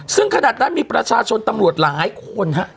ซึ่งขนาดนั้นมีประชาชนตำรวจหลายคนฮะ